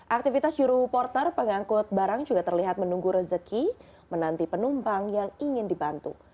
aktivitas juru porter pengangkut barang juga terlihat menunggu rezeki menanti penumpang yang ingin dibantu